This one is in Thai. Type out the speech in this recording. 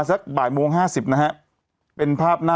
สวัสดีครับคุณผู้ชม